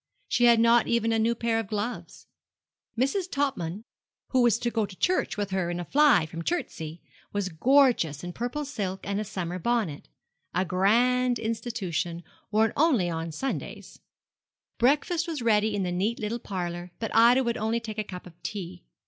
She had not even a new pair of gloves. Mrs. Topman, who was to go to church with her in a fly from Chertsey, was gorgeous in purple silk and a summer bonnet a grand institution, worn only on Sundays. Breakfast was ready in the neat little parlour, but Ida would only take a cup of tea.